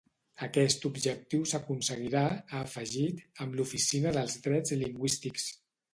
Aquest objectiu s’aconseguirà, ha afegit, amb l’oficina dels drets lingüístics.